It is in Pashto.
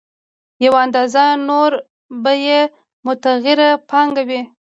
یوه اندازه نوره به یې متغیره پانګه وي